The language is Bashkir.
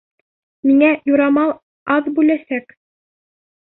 Миңә юрамал аҙ бүләсәк!